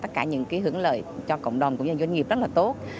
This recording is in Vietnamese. tất cả những hưởng lợi cho cộng đồng của doanh nghiệp rất là tốt